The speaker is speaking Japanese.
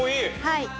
はい。